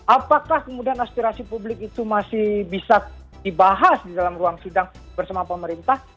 apakah kemudian aspirasi publik itu masih bisa dibahas di dalam ruang sidang bersama pemerintah